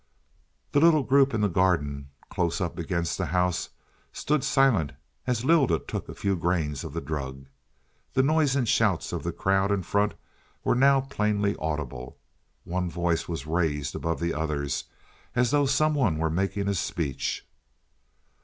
The little group in the garden close up against the house stood silent as Lylda took a few grains of the drug. The noise and shouts of the crowd in front were now plainly audible. One voice was raised above the others, as though someone were making a speech.